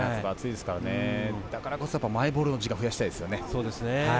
だからこそマイボールの時間を増やしたいですよね。